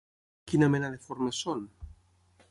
¿Quina mena de formes són?